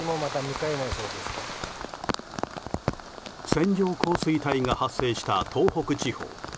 線状降水帯が発生した東北地方。